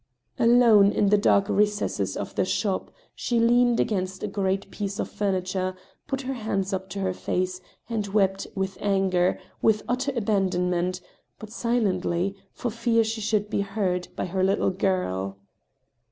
Alpne in the dark recesses of the shop, she leaned against a great piece of furniture, put her hands up to her face, and wept with anger, with utter abandonment, but silently, for fear she should be heard by her little girl.